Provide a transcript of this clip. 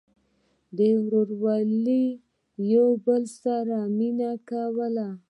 د وړوکوالي نه يو بل سره مينه کوله